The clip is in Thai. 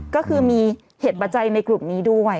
ก็คือมีเหตุปัจจัยในกลุ่มนี้ด้วย